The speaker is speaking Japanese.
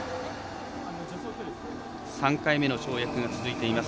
３回目の跳躍が続いています